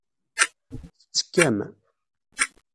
Tettekkam.